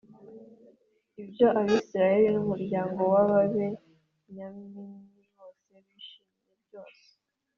ibyo Abisirayeli n’umuryango w’Ababenyamini bose bishimiye byose.